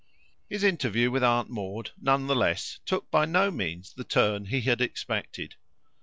His interview with Aunt Maud, none the less, took by no means the turn he had expected.